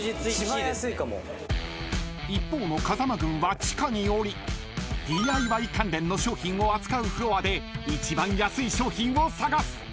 ［一方の風間軍は地下に下りＤＩＹ関連の商品を扱うフロアで一番安い商品を探す］